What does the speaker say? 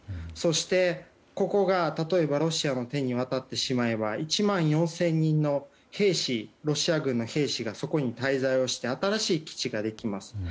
そして、ここが例えばロシアの手に渡ってしまえば１万４０００人のロシア軍の兵士がそこに滞在をして新しい基地ができます。